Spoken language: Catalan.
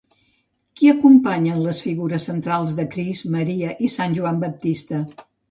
Qui acompanyen les figures centrals de Crist, Maria i Sant Joan Baptista?